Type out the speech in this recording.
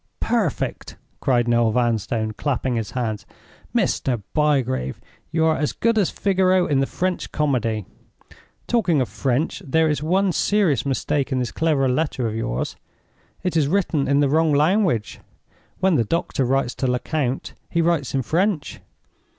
"Perfect!" cried Noel Vanstone, clapping his hands. "Mr. Bygrave, you are as good as Figaro in the French comedy. Talking of French, there is one serious mistake in this clever letter of yours—it is written in the wrong language. When the doctor writes to Lecount, he writes in French.